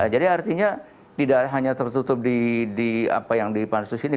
jadi artinya tidak hanya tertutup di apa yang di pansus ini